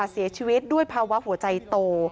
เสียชีวิตด้วยภาวะหัวใจโต